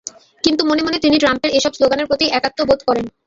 কিন্তু মনে মনে তিনি ট্রাম্পের এসব স্লোগানের প্রতিই একাত্ম বোধ করেন।